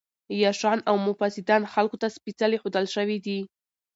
عياشان او مفسدان خلکو ته سپېڅلي ښودل شوي دي.